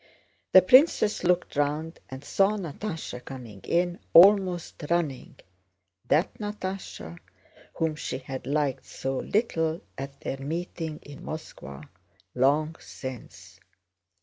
The princess looked round and saw Natásha coming in, almost running—that Natásha whom she had liked so little at their meeting in Moscow long since.